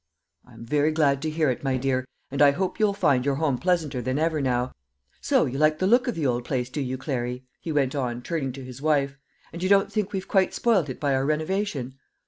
"I'm very glad to hear it, my dear, and I hope you'll find your home pleasanter than ever now. So you like the look of the old place, do you, Clary?" he went on, turning to his wife; "and you don't think we've quite spoilt it by our renovation?"